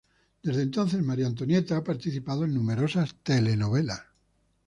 Desde entonces María Antonieta ha participado en numerosas telenovelas.